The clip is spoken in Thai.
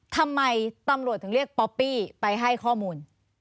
ทำไมตำรวจถึงเรียกป๊อปปี้ไปให้ข้อมูล